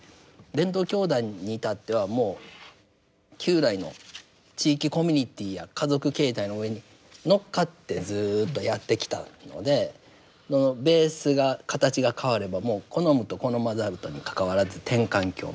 伝統教団に至ってはもう旧来の地域コミュニティーや家族形態の上に乗っかってずっとやってきたのでベースが形が変わればもう好むと好まざるとにかかわらず転換期を迎えるという。